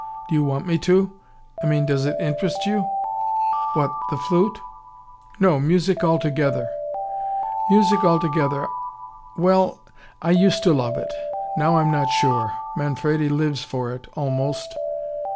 "Do you want me to? I mean does it interest you?" "What the flute?" "No music altogether " "Music altogether ! Well! I used to love it. Now I'm not sure. Manfredi lives for it, almost."